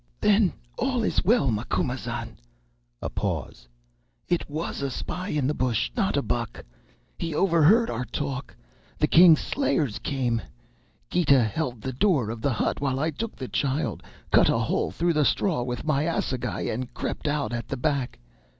"'Then all is well, Macumazahn.' (A pause.) 'It was a spy in the bush, not a buck. He overheard our talk. The King's slayers came. Gita held the door of the hut while I took the child, cut a hole through the straw with my assegai, and crept out at the back.